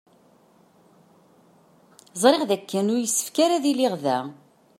Ẓriɣ d akken ur yessefk ara ad iliɣ da.